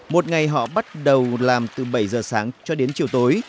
một ngày họ bắt đầu làm từ bảy giờ sáng cho đến chiều tối